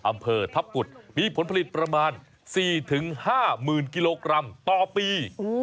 อำเภอทัพกุฎมีผลผลิตประมาณ๔๕๐๐๐กิโลกรัมต่อปี